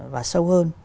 và sâu hơn